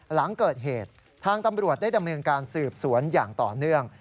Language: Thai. หลังเกิดเหตุทางตำรวจได้ดำเนินการสืบสวนอย่างต่อเนื่อง